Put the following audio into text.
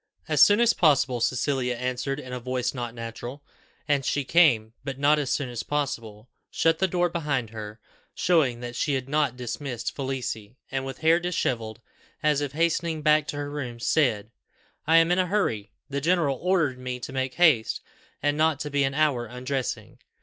"As soon as possible," Cecilia answered in a voice not natural. And she came, but not as soon as possible shut the door behind her, showing that she had not dismissed Felicie, and, with hair dishevelled, as if hastening back to her room, said, "I am in a hurry; the general ordered me to make haste, and not to be an hour undressing.